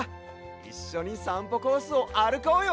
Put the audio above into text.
いっしょにさんぽコースをあるこうよ！